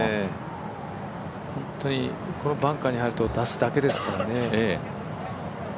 本当にこのバンカーに入ると、出すだけですからね。